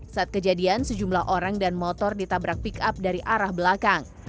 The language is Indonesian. saat kejadian sejumlah orang dan motor ditabrak pick up dari arah belakang